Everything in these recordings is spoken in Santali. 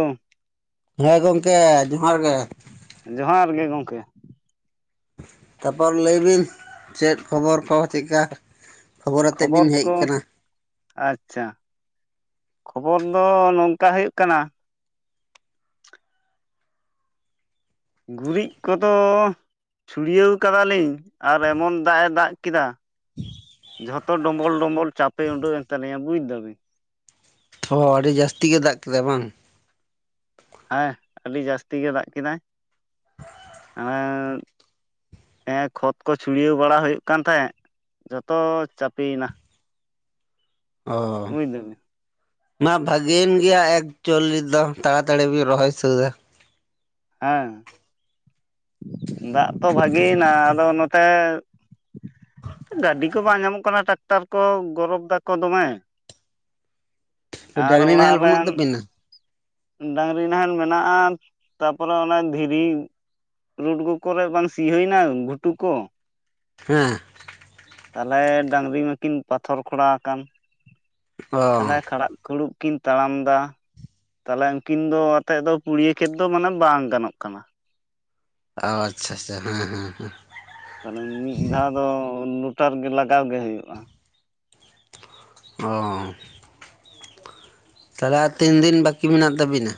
ᱛ ᱦᱮᱸ ᱜᱚᱢᱠᱮ ᱡᱚᱦᱟᱨ ᱜᱮ ᱾ ᱡᱚᱦᱟᱨ ᱜᱮ ᱜᱚᱝᱠᱮ ᱾ ᱠᱷᱚᱵᱚᱨ ᱞᱟᱹᱭ ᱵᱤᱱ ᱪᱮᱫ ᱠᱷᱚᱵᱚᱨ ᱠᱚ ᱪᱤᱠᱟ ᱠᱷᱚᱵᱚᱨ ᱠᱚ ᱟᱪᱪᱷᱟ, ᱠᱷᱚᱵᱚᱨ ᱫᱚ ᱱᱚᱝᱠᱟ ᱦᱩᱭᱩᱜ ᱠᱟᱱᱟ ᱜᱩᱨᱤᱡ ᱠᱚᱫᱚ ᱪᱷᱩᱲᱭᱟᱹᱣ ᱠᱟᱫᱟᱞᱤᱧ ᱟᱨ ᱮᱢᱚᱱ ᱫᱟᱜ ᱮ ᱫᱟᱜ ᱠᱮᱫᱟ ᱾ ᱡᱷᱚᱛᱚ ᱰᱚᱢᱵᱚᱞ ᱰᱚᱢᱵᱚᱞ ᱪᱟᱯᱮ ᱩᱰᱩᱜ ᱮᱱ ᱛᱟᱞᱤᱧᱟ ᱵᱩᱡ ᱮᱫᱟ ᱵᱤᱱ ᱾ ᱦᱚ ᱟᱹᱰᱤ ᱡᱟᱹᱥᱛᱤ ᱜᱮ ᱫᱟᱜ ᱠᱮᱫᱟ ᱵᱟᱝ? ᱦᱮᱸ ᱟᱹᱰᱤ ᱡᱟᱹᱥᱛᱤ ᱜᱮ ᱫᱟᱜ ᱠᱮᱫᱟᱭ ᱾ ᱟᱨ ᱦᱮᱸ ᱠᱷᱚᱛ ᱠᱚ ᱪᱷᱩᱲᱭᱟᱹᱣ ᱵᱟᱲᱟ ᱦᱩᱭᱩᱜ ᱠᱟᱱ ᱛᱟᱦᱮᱸᱫ ᱡᱚᱛᱚ ᱪᱟᱯᱤᱭᱮᱱᱟ ᱾ ᱚ ᱫᱟᱵᱤᱱ ᱢᱟ ᱵᱷᱟᱜᱤᱭᱮᱱ ᱜᱮᱭᱟ ᱮᱠᱪᱚᱞᱤ ᱫᱚ ᱛᱟᱲᱟᱛᱟᱲᱤ ᱵᱤᱱ ᱨᱚᱦᱚᱭ ᱥᱟᱹᱛ-ᱟ ᱾ ᱦᱮᱸ ᱫᱟᱜ ᱛᱚ ᱵᱷᱟᱜᱤᱭᱮᱱᱟ ᱟᱫᱚ ᱱᱚᱛᱮ ᱾ ᱜᱟᱹᱰᱤ ᱠᱚ ᱵᱟᱝ ᱧᱟᱢᱚᱜ ᱠᱟᱱᱟ ᱴᱟᱠᱴᱟᱨ ᱠᱚ ᱜᱚᱨᱚᱵᱽ ᱫᱟᱠᱚ ᱫᱚᱢᱮ ᱾ ᱟᱨ ᱰᱟᱝᱨᱤ ᱚᱲᱟᱜ ᱱᱟᱦᱮᱞ ᱵᱟᱹᱱᱩᱜ ᱨᱮᱱ ᱛᱟᱹᱵᱤᱱᱟ ᱰᱟᱝᱨᱤ ᱱᱟᱦᱮᱞ ᱢᱮᱱᱟᱜᱼᱟ, ᱛᱟᱯᱚᱨᱮ ᱚᱱᱟ ᱫᱷᱤᱨᱤ ᱨᱩᱰᱜᱩ ᱠᱚᱨᱮ ᱵᱟᱝ ᱥᱤ ᱦᱩᱭ ᱮᱱᱟ ᱜᱷᱩᱴᱩ ᱠᱚ ᱦᱮᱸ ᱛᱟᱞᱦᱮ ᱰᱟᱝᱨᱤ ᱢᱟᱠᱤᱱ ᱯᱟᱛᱷᱚᱨ ᱠᱷᱚᱲᱟᱣ ᱟᱠᱟᱱ ᱚ ᱛᱟᱞᱦᱮ ᱠᱷᱟᱲᱟᱜ ᱠᱷᱩᱲᱩᱵ ᱠᱤᱱ ᱛᱟᱲᱟᱢ ᱮᱫᱟ ᱛᱟᱞᱦᱮ ᱩᱱᱠᱤᱱ ᱫᱚ ᱟᱛᱮᱫ ᱫᱚ ᱯᱩᱲᱤᱭᱟᱹ ᱠᱷᱮᱛ ᱫᱚ ᱢᱟᱱᱮ ᱵᱟᱝ ᱜᱟᱱᱚᱜ ᱠᱟᱱᱟ ᱚ ᱟᱪᱪᱷᱟ ᱟᱪᱪᱷᱟ ᱦᱮᱸ ᱦᱮᱸ ᱦᱮᱸ ᱛᱟᱦᱚᱞᱮ ᱢᱤᱫ ᱫᱷᱟᱣ ᱫᱚ ᱞᱚᱴᱟᱨ ᱜᱮ ᱞᱟᱜᱟᱣ ᱜᱮ ᱦᱩᱭᱩᱜᱼᱟ ᱚ ᱛᱟᱦᱚᱞᱮ ᱟᱨ ᱛᱤᱱ ᱫᱤᱱ ᱵᱟᱹᱠᱤ ᱢᱮᱱᱟᱜ ᱛᱟᱵᱤᱱᱟ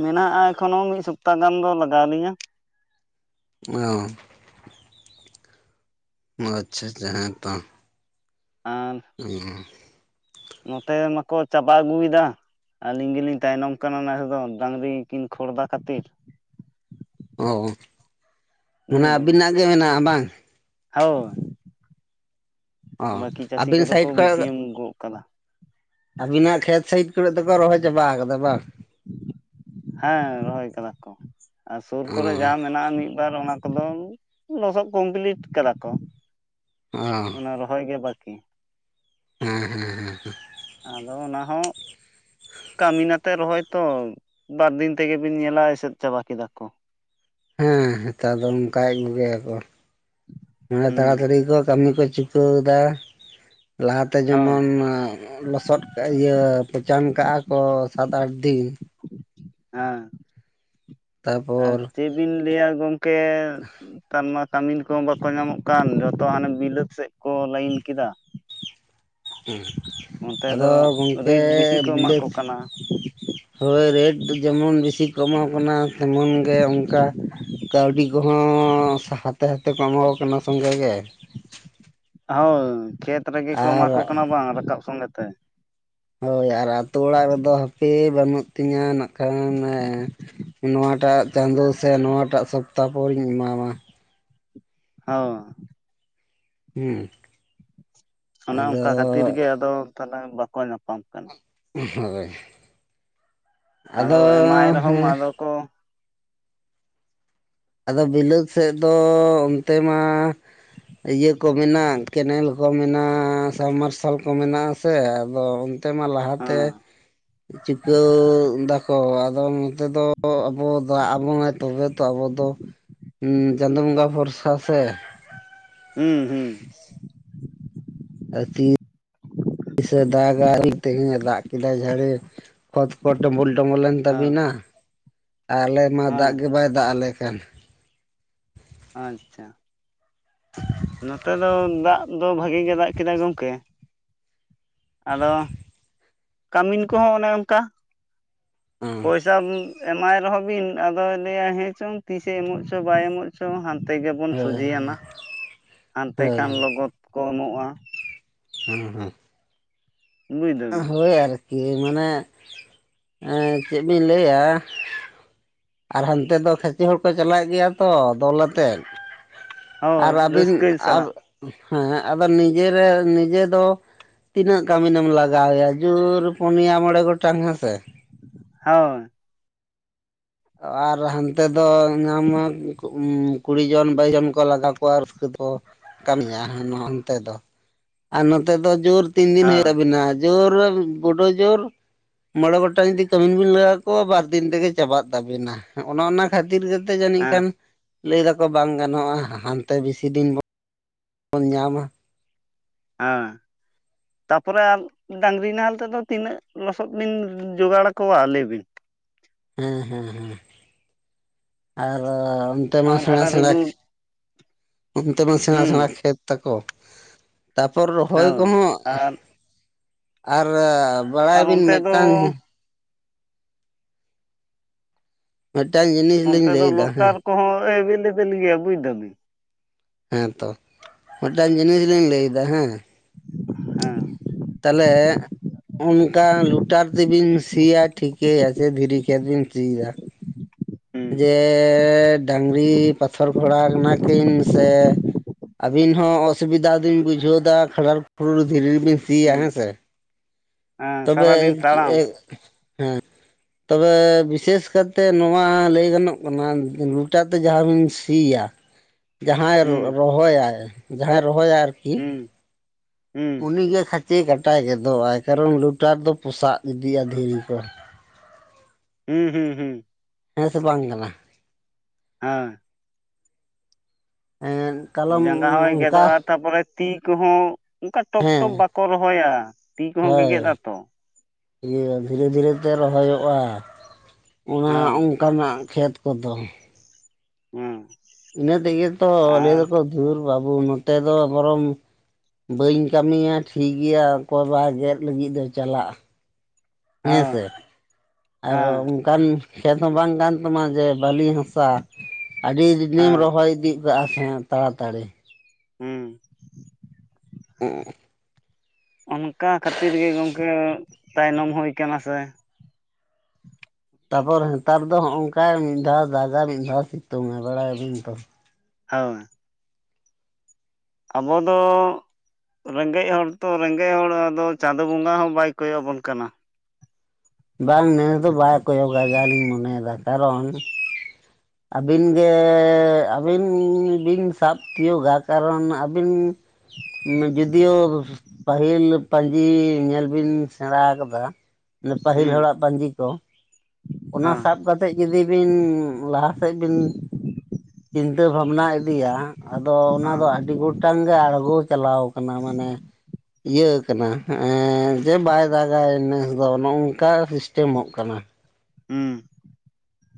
ᱢᱮᱱᱟᱜᱼᱟ ᱮᱠᱷᱚᱱᱳ ᱢᱤᱫ ᱥᱚᱯᱛᱟᱦᱚ ᱜᱟᱱ ᱫᱚ ᱞᱟᱜᱟᱣᱞᱤᱧᱟ ᱚ ᱚ ᱟᱪᱪᱷᱟ ᱟᱪᱪᱷᱟ ᱦᱮᱸ ᱛᱚ ᱟᱨ ᱟ ᱱᱚᱛᱮ ᱢᱟᱠᱚ ᱪᱟᱵᱟ ᱟᱹᱜᱩᱭᱮᱫᱟ ᱟᱹᱞᱤᱧ ᱜᱮᱞᱤᱧ ᱛᱟᱭᱱᱚᱢ ᱠᱟᱱᱟ ᱱᱮᱥ ᱫᱚ ᱰᱟᱝᱨᱤ ᱠᱤᱱ ᱠᱷᱚᱲᱫᱟ ᱠᱷᱟᱹᱛᱤᱨ ᱚ ᱢᱟᱱᱮ ᱵᱩᱡᱷ ᱫᱟᱵᱮᱱ ᱟᱹᱵᱤᱱᱟᱜ ᱜᱮ ᱢᱮᱱᱟᱜᱼᱟ ᱵᱟᱝ ᱦᱳᱭ ᱚ ᱵᱟᱹᱠᱤ ᱪᱟᱹᱥᱤ ᱟᱹᱵᱤᱱ ᱠᱚᱫᱚ ᱥᱟᱭᱤᱰ ᱠᱚ ᱜᱩᱴᱤᱭᱟᱹᱢ ᱜᱚᱫ ᱠᱟᱫᱟ ᱟᱵᱤᱱᱟᱜ ᱠᱷᱮᱛ ᱥᱟᱭᱤᱴ ᱠᱚᱨᱮ ᱫᱚᱠᱚ ᱨᱚᱦᱚᱭ ᱪᱟᱵᱟ ᱠᱟᱫᱟ ᱵᱟᱝ ᱦᱮᱸ ᱨᱚᱦᱚᱭ ᱠᱟᱫᱟ ᱠᱚ ᱟᱨ ᱥᱳᱨ ᱚ ᱠᱚᱨᱮ ᱡᱟᱦᱟᱸ ᱢᱮᱱᱟᱜ-ᱟ ᱢᱤᱫ ᱵᱟᱨ ᱚᱱᱟ ᱠᱚᱫᱚ ᱞᱚᱥᱚᱫ ᱠᱚᱢᱯᱞᱤᱴ ᱠᱟᱫᱟ ᱠᱚ ᱾ ᱚ ᱚᱱᱟ ᱨᱚᱦᱚᱭ ᱜᱮ ᱵᱟᱠᱤ ᱦᱮᱸ ᱦᱮᱸ ᱦᱮᱸ ᱦᱮᱸ ᱟᱫᱚ ᱚᱱᱟ ᱦᱚᱸ ᱠᱟᱹᱢᱤᱱ ᱟᱛᱮ ᱨᱚᱦᱚᱭ ᱛᱚ ᱵᱟᱨ ᱫᱤᱱ ᱛᱮᱜᱮᱵᱤᱱ ᱧᱮᱞᱟ ᱮᱥᱮᱫ ᱪᱟᱵᱟ ᱠᱮᱫᱟ ᱠᱚ᱾ ᱦᱮᱸ ᱱᱮᱛᱟᱨ ᱫᱚ ᱚᱱᱠᱟ ᱭᱮᱜ ᱜᱮᱭᱟᱠᱚ ᱢᱟᱱᱮ ᱦᱩᱸ ᱛᱟᱲᱟᱛᱟᱲᱤ ᱠᱚ ᱠᱟᱹᱢᱤ ᱠᱚ ᱪᱩ ᱠᱟᱹᱣ ᱫᱟ ᱞᱟᱦᱟᱛᱮ ᱦᱳᱭ ᱡᱮᱢᱚᱱ ᱞᱚᱥᱚᱫ ᱠᱟᱫ ᱤᱭᱟᱹ ᱯᱚᱪᱟᱱ ᱠᱟᱜ-ᱟ ᱠᱚ ᱥᱟᱛ ᱟᱴ ᱫᱤᱱ ᱦᱮᱸ ᱟᱨ ᱛᱟᱨᱯᱚᱨ ᱪᱮᱫ ᱵᱤᱱ ᱞᱟᱹᱭᱟ ᱜᱚᱝᱠᱮ ᱱᱮᱛᱟᱨᱢᱟ ᱠᱟᱹᱢᱤᱱ ᱠᱚᱦᱚᱸ ᱵᱟᱠᱚ ᱧᱟᱢᱚᱜ ᱠᱟᱱ ᱡᱚᱛᱚ ᱦᱟᱱᱮ ᱵᱤᱞᱟᱹᱛ ᱥᱮᱫ ᱠᱚ ᱞᱟᱹᱭᱤᱱ ᱠᱮᱫᱟ ᱦᱮᱸ ᱚᱱᱛᱮ ᱫᱚ ᱟᱫᱚ ᱜᱚᱝᱠᱮ ᱨᱮᱴ ᱵᱮᱥᱤ ᱠᱚ ᱮᱢᱟ ᱠᱚ ᱵᱤᱞᱟᱹᱛ ᱠᱟᱱᱟ ᱦᱳᱭ ᱨᱮᱴ ᱡᱮᱢᱚᱱ ᱵᱮᱥᱤ ᱠᱚ ᱮᱢᱟ ᱠᱚ ᱠᱟᱱᱟ ᱛᱮᱢᱚᱱ ᱜᱮ ᱚᱱᱠᱟ ᱠᱟᱹᱣᱰᱤ ᱠᱚᱦᱚᱸ ᱦᱟᱛᱮ ᱦᱟᱛᱮ ᱠᱚ ᱮᱢᱟᱣᱴ ᱠᱚ ᱠᱟᱱᱟ ᱥᱚᱸᱜᱮ ᱜᱮ᱾ ᱦᱳᱭ ᱠᱷᱮᱛ ᱨᱮᱜᱮ ᱠᱚ ᱮᱢᱟ ᱟᱨ ᱠᱚ ᱠᱟᱱᱟ ᱵᱟᱝ ᱨᱟᱠᱟᱵ ᱥᱚᱸᱜᱮ ᱛᱮ᱾ ᱦᱳᱭ ᱟᱨ ᱟᱛᱳ ᱚᱲᱟᱜ ᱨᱮᱫᱚ ᱦᱟᱯᱮ ᱵᱟᱹᱱᱩᱜ ᱛᱤᱧᱟᱹ ᱱᱟᱜ ᱠᱷᱟᱱ ᱱᱚᱣᱟ ᱴᱟᱜ ᱪᱟᱸᱫᱳ ᱥᱮ ᱱᱚᱣᱟᱴᱟᱜ ᱥᱚᱯᱛᱟᱦᱚ ᱯᱚᱨᱤᱧ ᱮᱢᱟᱢᱟ᱾ ᱦᱚᱸ ᱦᱩᱸ ᱚᱱᱮ ᱚᱱᱠᱟ ᱠᱷᱟᱹᱛᱤᱨ ᱜᱮ ᱟᱫᱚ ᱛᱟᱞᱦᱮ ᱵᱟᱠᱚ ᱧᱟᱯᱟᱢ ᱠᱟᱱᱟ᱾ ᱦᱳᱭ ᱮᱢᱟᱭ ᱟᱫᱚ ᱨᱮᱦᱚᱸᱢ ᱦᱮᱸ ᱟᱫᱚ ᱠᱚ ᱟᱫᱚ ᱵᱤᱞᱟᱹᱛ ᱥᱮᱫ ᱫᱚ ᱚᱱᱛᱮ ᱢᱟ ᱤᱭᱟᱹ ᱠᱚ ᱢᱮᱱᱟᱜ ᱠᱮᱱᱮᱞ ᱠᱚ ᱢᱮᱱᱟᱜ-ᱟ ᱥᱟᱵ ᱢᱟᱨᱥᱟᱞ ᱠᱚ ᱢᱮᱱᱟᱜ-ᱟ ᱥᱮ ᱟᱫᱚ ᱛᱮᱢᱟ ᱞᱟᱦᱟᱛᱮ ᱦᱮᱸ ᱪᱩᱠᱟᱹᱣ ᱫᱟᱠᱚ ᱟᱫᱚ ᱱᱚᱛᱮ ᱫᱚ ᱟᱵᱚ ᱫᱟᱜ ᱟᱵᱚᱱᱟᱭ ᱛᱚᱵᱮ ᱛᱚ ᱟᱵᱚ ᱫᱚ ᱩᱸ ᱪᱟᱸᱫᱳ ᱵᱚᱸᱜᱟ ᱵᱷᱚᱨᱥᱟ ᱥᱮ᱾ ᱦᱩᱸ ᱦᱩᱸ᱾ ᱟᱨ ᱛᱤ ᱥᱮ ᱫᱟᱜᱟ ᱛᱮᱦᱮᱧᱮ ᱫᱟᱜ ᱠᱮᱫᱟᱭ ᱡᱷᱟᱲᱮ ᱚᱛ ᱠᱚ ᱰᱩᱵᱩᱞ ᱰᱩᱵᱩᱞ ᱮᱱ ᱦᱮᱸ ᱛᱟᱵᱤᱱᱟ ᱟᱨ ᱟᱞᱮ ᱢᱟ ᱫᱟᱜ ᱦᱮᱸ ᱜᱮ ᱵᱟᱭ ᱫᱟᱜ ᱟᱞᱮ ᱠᱟᱱ᱾ ᱟᱪᱪᱷᱟ᱾ ᱱᱚᱛᱮ ᱫᱚ ᱫᱟᱜ ᱫᱚ ᱵᱷᱟᱜᱤ ᱜᱮ ᱫᱟᱜ ᱠᱮᱫᱟ ᱜᱚᱝᱠᱮ᱾ ᱟᱫᱚ ᱠᱟᱹᱢᱤᱱ ᱠᱚᱦᱚᱸ ᱚᱱᱮ ᱚᱱᱠᱟ ᱯᱚᱭᱥᱟᱢ ᱮᱢᱟᱭ ᱨᱮᱦᱚᱸ ᱵᱤᱱ ᱟᱫᱚᱭ ᱞᱟᱹᱭᱟ ᱦᱮᱸ ᱪᱚᱝ ᱛᱤᱥᱮ ᱮᱢᱚᱜ ᱪᱚ ᱵᱟᱭ ᱮᱢᱚᱜ ᱪᱚ ᱦᱟᱸᱱᱛᱮ ᱜᱮᱵᱚᱱ ᱦᱳᱭ ᱥᱚᱡᱷᱮᱭᱟᱱᱟ ᱦᱟᱱᱛᱮ ᱦᱳᱭ ᱠᱷᱟᱱ ᱞᱚᱜᱚᱫ ᱠᱚ ᱮᱢᱚᱜ-ᱟ᱾ ᱦᱩᱸ ᱦᱩᱸ᱾ ᱵᱩᱡ ᱫᱟᱵᱤᱱ ᱦᱳᱭ ᱟᱨᱠᱤ, ᱢᱟᱱᱮ ᱮᱸ ᱪᱮᱫ ᱵᱤᱱ ᱞᱟᱹᱭᱟ ᱟᱨ ᱦᱟᱸᱱᱛᱮ ᱫᱚ ᱠᱷᱟᱪᱮ ᱦᱚᱲ ᱠᱚ ᱪᱟᱞᱟᱜ ᱜᱮᱭᱟ ᱛᱚ ᱫᱚᱞ ᱟᱛᱮᱫ᱾ ᱦᱳᱭ ᱟᱨ ᱟᱹᱵᱤᱱ ᱨᱟᱹᱥᱠᱟᱹ ᱟᱨ ᱥᱟᱞᱟᱜ ᱦᱮᱸ ᱟᱫᱚ ᱱᱤᱡᱮᱨᱮ ᱱᱤᱡᱮ ᱫᱚ ᱛᱤᱱᱟᱹᱜ ᱠᱟᱹᱢᱤᱱᱮᱢ ᱞᱟᱜᱟᱣ ᱮᱭᱟ ᱡᱳᱨ ᱯᱩᱱᱭᱟ ᱢᱚᱬᱮ ᱜᱚᱴᱟᱝ ᱦᱮᱸᱥᱮ᱾ ᱦᱳᱭ᱾ ᱟᱨ ᱦᱟᱸᱱᱛᱮ ᱫᱚ ᱧᱟᱢᱟ ᱠᱩᱲᱤ ᱡᱚᱱ ᱵᱟᱭᱤᱥ ᱡᱚᱱ ᱠᱚ ᱞᱟᱜᱟᱣ ᱠᱚᱣᱟ ᱨᱟᱹᱥᱠᱟᱹ ᱠᱚ ᱠᱟᱹᱢᱤᱭᱟ ᱚᱱᱛᱮ ᱫᱚ ᱟᱨ ᱱᱚᱛᱮ ᱫᱚ ᱡᱳᱨ ᱛᱤᱱ ᱫᱤᱱ ᱦᱩᱭᱩᱜ ᱦᱳᱭ ᱛᱟᱵᱤᱱᱟ ᱡᱳᱨ ᱵᱳᱰᱳ ᱡᱳᱨ ᱢᱚᱬᱮ ᱜᱚᱴᱟᱝ ᱡᱩᱫᱤ ᱠᱟᱹᱢᱤᱱ ᱵᱤᱱ ᱞᱟᱜᱟᱣ ᱠᱚᱣᱟ ᱵᱟᱨ ᱫᱤᱱ ᱛᱮᱜᱮ ᱪᱟᱵᱟᱜ ᱛᱟᱵᱤᱱᱟ, ᱦᱚᱸᱜᱼᱱᱟ ᱚᱱᱟ ᱠᱷᱟᱹᱛᱤᱨ ᱜᱮᱛᱚ ᱡᱟᱹᱱᱤᱡ ᱦᱮᱸ ᱠᱷᱟᱱ ᱞᱟᱹᱭ ᱫᱟᱠᱚ ᱵᱟᱝ ᱜᱟᱱᱚᱜ-ᱟ ᱦᱟᱸᱱᱛᱮ ᱵᱮᱥᱤ ᱫᱤᱱ ᱵᱚᱱ ᱧᱟᱢᱟ᱾ ᱦᱮᱸ᱾ ᱛᱟᱯᱚᱨᱮ ᱟᱨ ᱰᱟᱝᱨᱤ ᱱᱟᱦᱮᱞ ᱛᱮᱫᱚ ᱛᱤᱱᱟᱹᱜ ᱞᱚᱥᱚᱫ ᱵᱤᱱ ᱡᱚᱜᱟᱲ ᱠᱚᱣᱟ ᱞᱟᱹᱭ ᱵᱤᱱ᱾ ᱦᱮᱸ ᱦᱮᱸ ᱦᱮᱸ ᱟᱨ ᱚᱱᱛᱮ ᱢᱟ ᱟᱨ ᱥᱮᱬᱟ ᱦᱟᱰᱟᱨ ᱥᱮᱬᱟ ᱦᱩᱰᱩᱨ ᱚᱱᱛᱮ ᱢᱟ ᱥᱮᱬᱟ ᱦᱩᱸ ᱥᱮᱬᱟ ᱠᱷᱮᱛ ᱛᱟᱠᱚ᱾ ᱛᱟᱯᱚᱨ ᱨᱚᱦᱚᱭ ᱦᱳᱭ ᱠᱚᱦᱚᱸ ᱟᱨ ᱟᱨ ᱟᱨ ᱵᱟᱲᱟᱭᱵᱤᱱ ᱚᱱᱛᱮ ᱫᱚ ᱢᱮᱫᱴᱟᱝ ᱢᱮᱫᱴᱟᱝ ᱡᱤᱱᱤ ᱱᱚᱱᱛᱮ ᱫᱚ ᱞᱚᱴᱟᱨ ᱠᱚᱦᱚᱸ ᱮᱵᱮᱞᱮᱵᱮᱞ ᱜᱮᱭᱟ ᱵᱩᱡ ᱫᱟᱵᱤᱱ᱾ ᱦᱮᱸ ᱛᱚ ᱢᱤᱫᱴᱟᱝ ᱡᱤᱱᱤᱥ ᱞᱤᱧ ᱞᱟᱹᱭ ᱫᱟ ᱦᱮᱸ, ᱦᱮᱸ᱾ ᱛᱟᱦᱞᱮ ᱚᱱᱠᱟ ᱞᱩᱴᱟᱨ ᱛᱮᱵᱤᱱ ᱥᱤᱭᱟ ᱴᱷᱤᱠᱟᱹᱭᱟ ᱟᱪᱷᱮ ᱫᱷᱤᱨᱤ ᱠᱷᱮᱛ ᱵᱤᱱ ᱥᱤᱭ ᱫᱟ ᱦᱩᱸ ᱡᱮ ᱰᱟᱹᱝᱨᱤ ᱯᱟᱛᱷᱚᱨ ᱜᱷᱳᱚᱲᱟ ᱠᱟᱱᱟ ᱠᱤᱱ ᱥᱮ ᱟᱹᱵᱤᱱ ᱦᱚᱸ ᱚᱥᱩᱵᱤᱫᱟ ᱵᱤᱱ ᱵᱩᱡᱷᱟᱹᱣ ᱫᱟ ᱠᱷᱟᱰᱟᱨ ᱠᱷᱩᱩᱨ ᱫᱷᱤᱨᱤ ᱨᱮᱵᱤᱱ ᱥᱤᱭᱟ ᱦᱩᱸ ᱦᱮᱸ ᱥᱮ᱾ ᱦᱮᱸ ᱛᱚᱵᱮ ᱥᱟᱨᱟᱫᱤᱱ ᱮᱸ ᱪᱮ ᱛᱟᱲᱟᱢ ᱦᱮᱸ᱾ ᱛᱚᱵᱮ ᱵᱤᱥᱮᱥ ᱠᱟᱨᱛᱮ ᱱᱚᱣᱟ ᱞᱟᱹᱭ ᱜᱟᱱᱚᱜ ᱠᱟᱱᱟ ᱞᱩᱴᱟᱨ ᱛᱮ ᱡᱟᱦᱟᱸ ᱵᱤᱱ ᱥᱤᱭᱟ, ᱦᱮ ᱡᱟᱦᱟᱸᱭ ᱨᱚᱦᱚᱭᱟᱭ ᱡᱟᱦᱟᱸᱭ ᱨᱚᱦᱚᱭᱟ ᱟᱨᱠᱤ, ᱦᱩᱸ ᱦᱩᱸ᱾ ᱩᱱᱤᱜᱮ ᱠᱷᱟᱪᱮ ᱠᱟᱴᱟᱭ ᱜᱮᱫᱚᱜᱼᱟᱭ ᱠᱟᱨᱚᱱ ᱞᱚᱴᱟᱨ ᱫᱚ ᱯᱚᱥᱟᱜ ᱤᱫᱤᱜᱼᱟ ᱫᱷᱤᱨᱤ ᱠᱚ᱾ ᱦᱩᱸ ᱦᱩᱸ ᱦᱩᱸ᱾ ᱦᱮᱸ ᱥᱮ ᱵᱟᱝ ᱠᱟᱱᱟ? ᱦᱮᱸ᱾ ᱮᱸᱫ ᱡᱟᱸᱜᱟ ᱦᱚᱭ ᱜᱮᱫᱚᱜ-ᱟ ᱛᱟᱯᱚᱨᱮ ᱛᱤ ᱠᱚᱦᱚᱸ ᱚᱱᱠᱟ ᱴᱚᱯ ᱴᱚᱯ ᱦᱮᱸ ᱵᱟᱠᱚ ᱨᱚᱦᱚᱭᱟ ᱛᱤ ᱠᱚᱦᱚᱸ ᱜᱮᱜᱮᱫ ᱦᱳᱭ ᱟᱛᱚ᱾ ᱤᱭᱟᱹ ᱫᱷᱤᱨᱮ ᱫᱷᱤᱨᱮ ᱛᱮ ᱨᱚᱦᱚᱭᱚᱜ-ᱟ ᱚᱱᱟ ᱦᱮᱸ ᱚᱱᱠᱟᱱᱟᱜ ᱠᱷᱮᱛ ᱠᱚᱫᱚ ᱦᱮᱸ ᱤᱱᱟᱹ ᱛᱮᱜᱮ ᱛᱚ ᱟᱞᱮ ᱟᱨ ᱫᱚᱠᱚ ᱫᱷᱩᱨ ᱵᱟᱹᱵᱩ ᱱᱚᱛᱮ ᱫᱚ ᱵᱚᱨᱚᱢ ᱵᱟᱹᱧ ᱠᱟᱹᱢᱤᱭᱟ ᱴᱷᱤᱠ ᱜᱮᱭᱟ ᱚᱠᱚᱭᱵᱟ ᱜᱮᱫ ᱞᱟᱹᱜᱤᱫ ᱫᱚ ᱪᱟᱞᱟᱜ-ᱟ᱾ ᱦᱮᱸ ᱦᱮᱸᱥᱮ ᱟᱨᱚ ᱦᱮᱸ ᱚᱱᱠᱟᱱ ᱠᱷᱮᱛ ᱦᱚᱸ ᱵᱟᱝ ᱠᱟᱱ ᱛᱟᱢᱟ ᱡᱮ ᱵᱟᱹᱞᱤ ᱦᱟᱥᱟ ᱟᱹᱰᱤ ᱫᱤᱱᱮᱢ ᱦᱮᱸ ᱨᱚᱦᱚᱭ ᱤᱫᱤ ᱠᱟᱜ-ᱟ ᱥᱮ ᱛᱟᱹᱲᱤ ᱦᱮᱸ ᱮ [unintelligible] ᱚᱱᱠᱟ ᱠᱷᱟᱹᱛᱤᱨ ᱜᱮ ᱜᱚᱝᱠᱮ ᱛᱟᱭᱱᱚᱢ ᱦᱩᱭ ᱠᱟᱱᱟ ᱥᱮ᱾ ᱛᱟᱯᱚᱨ ᱱᱮᱛᱟᱨ ᱫᱚ ᱦᱚᱜ-ᱱᱚᱝᱠᱟ ᱢᱤᱫ ᱫᱷᱟᱣ ᱫᱟᱜᱟ ᱢᱤᱫ ᱫᱷᱟᱣ ᱥᱤᱛᱩᱝ ᱮ ᱵᱟᱲᱟᱭᱟᱵᱤᱱ ᱛᱚ ᱦᱳᱭ ᱟᱵᱚ ᱫᱚ ᱨᱮᱸᱜᱮᱡ ᱦᱚᱲ ᱛᱚ ᱨᱮᱸᱜᱮᱡ ᱦᱚᱲ ᱟᱫᱚ ᱪᱟᱸᱫᱳ ᱵᱚᱸᱜᱟ ᱦᱚᱸ ᱵᱟᱭ ᱠᱚᱭᱚᱜᱵᱚᱱ ᱠᱟᱱᱟ᱾ ᱵᱟᱝ ᱱᱮᱥ ᱫᱚ ᱵᱟᱭ ᱠᱚᱭᱚᱜ ᱟᱡ ᱡᱟᱞᱤᱧ ᱢᱚᱱᱮᱭᱮᱫᱟ ᱠᱟᱨᱚᱱ ᱟᱹᱵᱤᱱ ᱜᱮ ᱟᱹᱵᱤᱱ ᱵᱤᱱ ᱥᱟᱵ ᱛᱤᱭᱳᱚᱜᱟ ᱠᱟᱨᱚᱱ ᱟᱹᱵᱤᱱ ᱡᱚᱫᱤᱭᱳ ᱯᱟᱹᱦᱤᱞ ᱯᱟᱹᱧᱡᱤ ᱧᱮᱞ ᱵᱤᱱ ᱥᱮᱬᱟ ᱠᱟᱫᱟ ᱯᱟᱹᱦᱤᱞ ᱦᱩᱸ ᱦᱚᱲᱟᱜ ᱯᱟᱸᱡᱤ ᱠᱚ ᱚᱱᱟ ᱦᱮᱸ ᱥᱟᱵ ᱠᱟᱛᱮᱫ ᱡᱩᱫᱤ ᱵᱤᱱ ᱞᱟᱦᱟ ᱥᱮᱫ ᱵᱤᱱ ᱪᱤᱱᱛᱟᱹ ᱵᱷᱟᱵᱽᱱᱟ ᱤᱫᱤᱭᱟ ᱟᱫᱚ ᱚᱱᱟ ᱫᱚ ᱟᱹᱰᱤ ᱜᱚᱴᱟᱝ ᱜᱮ ᱟᱬᱜᱚ ᱪᱟᱞᱟᱣ ᱠᱟᱱᱟ ᱢᱟᱱᱮ ᱤᱭᱟᱹ ᱠᱟᱱᱟ ᱡᱮ ᱵᱟᱭ ᱫᱟᱜᱟᱭ ᱱᱮᱥ ᱫᱚ ᱱᱚᱝᱠᱟ ᱥᱤᱥᱴᱮᱢᱚᱜ ᱠᱟᱱᱟ᱾ ᱦᱩᱸ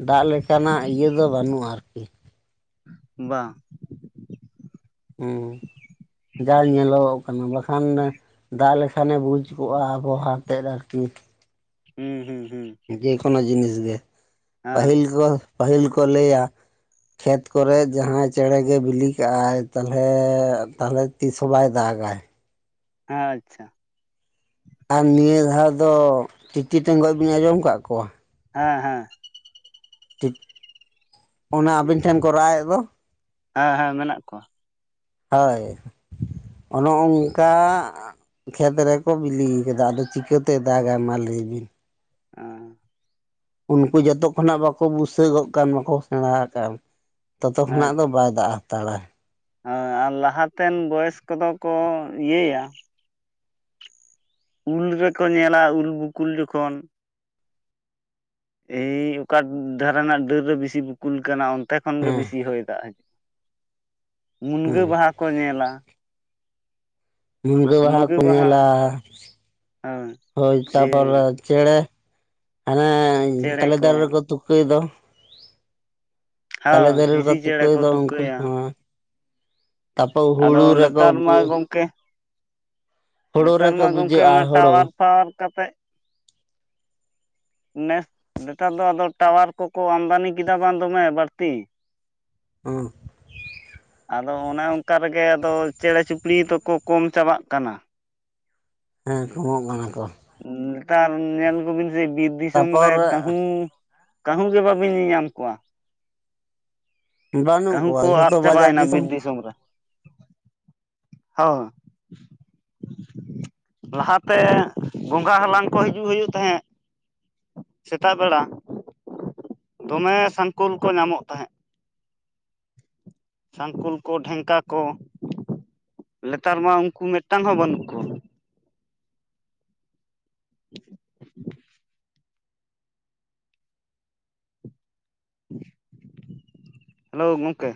ᱫᱟᱜ ᱞᱮᱠᱟᱱᱟᱜ ᱤᱭᱟᱹ ᱫᱚ ᱵᱟᱹᱱᱩᱜ-ᱟ ᱟᱨᱠᱤ ᱵᱟᱝ ᱦᱩᱸ ᱡᱟ ᱧᱮᱞᱚᱜᱚᱜ ᱠᱟᱱᱟ ᱵᱟᱠᱷᱟᱱ ᱫᱟᱜ ᱞᱮᱠᱷᱟᱱᱮ ᱵᱩᱡᱽ ᱠᱚᱜ-ᱟ ᱟᱵᱚᱦᱟ ᱮᱱᱛᱮ ᱟᱨᱠᱤ ᱦᱩᱸ ᱦᱩᱸ ᱦᱩᱸ ᱡᱮᱠᱳᱱᱳ ᱡᱤᱱᱤᱥ ᱜᱮ ᱦᱮᱸ ᱯᱟᱹᱦᱤᱞ ᱠᱚ ᱯᱟᱹᱦᱤᱞ ᱠᱚ ᱞᱟᱹᱭ ᱟ ᱠᱷᱮᱛ ᱠᱚᱨᱮ ᱡᱟᱦᱟᱸᱭ ᱪᱮᱬᱮ ᱜᱮ ᱵᱤᱞᱤ ᱠᱟᱜ-ᱟᱭ ᱛᱟᱦᱚᱞᱮ ᱛᱟᱦᱚᱞᱮ ᱛᱤᱥ ᱦᱚᱸ ᱵᱟᱭ ᱫᱟᱜᱟᱭ ᱟᱪᱪᱷᱟ ᱟᱨ ᱱᱤᱭᱟᱹ ᱫᱷᱟᱣ ᱫᱚ ᱛᱤᱛᱤ ᱴᱮᱸᱜᱚᱡ ᱵᱤᱱ ᱟᱸᱡᱚᱢ ᱠᱟᱜ ᱠᱚᱣᱟ? ᱦᱮᱸ ᱦᱮᱸ ᱴᱤ ᱚᱱᱟ ᱟᱵᱤᱱ ᱴᱷᱮᱱ ᱠᱚ ᱨᱟᱣᱮᱫ ᱫᱚ ᱦᱮᱸ ᱦᱮᱸ ᱢᱮᱱᱟᱜ ᱠᱚᱣᱟ᱾ ᱦᱳᱭ ᱚᱱᱮ ᱚᱝᱠᱟ ᱠᱷᱮᱛ ᱨᱮᱠᱚ ᱵᱤᱞᱤ ᱠᱟᱫᱟ ᱟᱫᱚ ᱪᱤᱠᱟᱹᱛᱮ ᱫᱟᱜᱟ ᱢᱟ ᱞᱟᱹᱭ ᱵᱤᱱ? ᱟ ᱩᱱᱠᱩ ᱡᱚᱛᱚ ᱠᱷᱚᱱᱟᱜ ᱵᱟᱠᱚ ᱵᱩᱥᱟᱹᱜᱚᱜ ᱠᱟᱱ ᱵᱟᱠᱚ ᱥᱮᱬᱟ ᱠᱟᱱ ᱛᱚᱛᱚ ᱠᱷᱚᱱᱟᱜ ᱫᱚ ᱵᱟᱭ ᱫᱟᱜ ᱦᱟᱛᱟᱲᱟ ᱦᱮᱸ ᱟᱨ ᱞᱟᱦᱟᱛᱮᱱ ᱵᱚᱭᱮᱥ ᱠᱚᱫᱚ ᱠᱚ ᱤᱭᱟᱹᱭᱟ ᱩᱞ ᱨᱮᱠᱚ ᱧᱮᱞᱟ ᱩᱞ ᱵᱩᱠᱩᱞ ᱡᱚᱠᱷᱚᱱ ᱮᱭ ᱚᱠᱟ ᱫᱷᱟᱨᱮ ᱨᱮᱱᱟᱜ ᱰᱟᱹᱨ ᱨᱮ ᱵᱤᱥᱤ ᱵᱩᱠᱩᱞ ᱠᱟᱱᱟ ᱚᱱ ᱚᱱᱛᱮ ᱠᱷᱚᱱ ᱜᱮ ᱦᱮᱸ ᱵᱮᱥᱤ ᱦᱚᱭ ᱫᱟᱜ ᱦᱤᱡᱩᱜᱼᱟ ᱢᱩᱱᱜᱟᱹ ᱦᱮᱸ ᱵᱟᱦᱟ ᱠᱚ ᱧᱮᱞᱟ ᱢᱩᱱᱜᱟᱹ ᱵᱟᱦᱟ ᱠᱚ ᱧᱮᱞᱟ ᱦᱩᱸ ᱦᱳᱭ ᱛᱟᱯᱚᱨᱮ ᱪᱮᱸᱲᱮ ᱦᱟᱱᱮ ᱪᱮᱬᱮ ᱛᱟᱞᱮ ᱠᱚ ᱫᱟᱨᱮ ᱨᱮᱠᱚ ᱛᱩᱠᱟᱹᱭ ᱫᱚ ᱛᱟᱞᱮ ᱦᱳᱭ ᱫᱟᱨᱮ ᱨᱮᱠᱚ ᱦᱤᱸᱥᱤ ᱪᱮᱬᱮ ᱛᱩᱠᱟᱹᱭ ᱠᱚ ᱫᱚ ᱩᱱᱠᱩ ᱛᱩᱠᱟᱹᱭᱟ ᱦᱚᱸ ᱛᱟᱯᱚᱨ ᱟᱫᱚ ᱦᱩᱲᱩ ᱨᱮᱠᱚ ᱱᱮᱛᱟᱨ ᱢᱟ ᱜᱚᱢᱠᱮ ᱦᱩᱲᱩ ᱱᱮᱛᱟᱨ ᱨᱮᱠᱚ ᱢᱟ ᱜᱚᱢᱠᱮ ᱵᱩᱡᱷᱟᱹᱜᱼᱟ ᱚᱱᱟ ᱦᱩᱲᱩ ᱴᱟᱣᱟᱨ ᱯᱟᱣᱟᱨ ᱠᱟᱛᱮᱫ ᱱᱮᱥ ᱱᱮᱛᱟᱨ ᱫᱚ ᱟᱫᱚ ᱴᱟᱣᱟᱨ ᱠᱚᱠᱚ ᱟᱢᱫᱟᱱᱤ ᱠᱮᱫᱟ ᱵᱟᱝ ᱫᱚᱢᱮ ᱵᱟᱹᱲᱛᱤ ᱚ ᱟᱫᱚ ᱚᱱᱮ ᱚᱱᱠᱟ ᱨᱮᱜᱮ ᱟᱫᱚ ᱪᱮᱬᱮ ᱪᱩᱯᱲᱤ ᱫᱚᱠᱚ ᱠᱚᱢ ᱪᱟᱵᱟᱜ ᱠᱟᱱᱟ ᱦᱮᱸ ᱠᱚᱢᱚᱜ ᱠᱟᱱᱟ ᱠᱚ ᱩᱸᱻ ᱱᱮᱛᱟᱨ ᱧᱮᱞ ᱠᱚᱵᱤᱱ ᱥᱮ ᱵᱤᱨ ᱫᱤᱥᱚᱢ ᱨᱮ ᱛᱟᱯᱚᱨ ᱠᱟᱹᱦᱩ ᱠᱟᱹᱦᱩ ᱜᱮ ᱵᱟᱹᱵᱤᱱ ᱧᱮᱞ ᱧᱟᱢ ᱠᱚᱣᱟ ᱵᱟᱹᱱᱩᱜ ᱠᱟᱹᱦᱩ ᱠᱚᱣᱟ ᱠᱚ ᱟᱫ ᱡᱷᱚᱛᱚ ᱵᱟᱡᱟᱨ ᱪᱟᱵᱟᱭᱮᱱᱟ ᱵᱤᱨ ᱫᱤᱥᱚᱢ ᱨᱮ ᱦᱚᱸ ᱞᱟᱦᱟᱛᱮ ᱜᱚᱸᱜᱟ ᱦᱟᱞᱟᱝ ᱠᱚ ᱦᱤᱡᱩᱜ ᱦᱩᱭᱩᱜ ᱛᱟᱦᱮᱸ ᱥᱮᱛᱟᱜ ᱵᱮᱲᱟ ᱫᱚᱢᱮ ᱥᱟᱝᱠᱳᱞ ᱠᱚ ᱧᱟᱢᱚᱜ ᱛᱟᱦᱮᱸ ᱥᱟᱝᱠᱳᱞ ᱠᱚ ᱰᱷᱮᱝᱠᱟ ᱠᱚ ᱱᱮᱛᱟᱨ ᱢᱟ ᱩᱱᱠᱩ ᱢᱤᱫᱴᱟᱝ ᱦᱚᱸ ᱵᱟᱹᱱᱩᱜ ᱠᱚᱣᱟ ᱦᱮᱞᱳ ᱜᱚᱝᱠᱮ